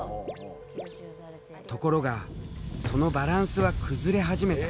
ところがそのバランスは崩れ始めた。